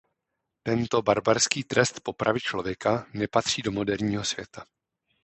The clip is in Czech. Tento barbarský trest popravy člověka nepatří do moderního světa.